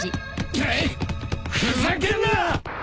ふざけんな！